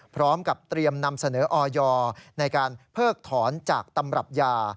พร้อมกับเตรียมนำเสนอออยในการเพิกถอนจากตำรับยา